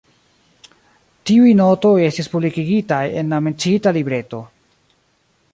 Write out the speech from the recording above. Tiuj notoj estis publikigitaj en la menciita libreto.